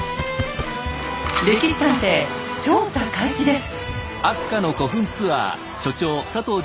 「歴史探偵」調査開始です！